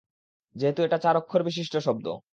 যেহেতু এটা চার অক্ষর বিশিষ্ট শব্দ।